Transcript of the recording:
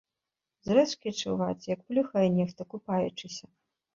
З рэчкі чуваць, як плюхае нехта, купаючыся.